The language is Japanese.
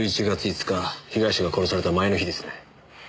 １１月５日被害者が殺された前の日ですね。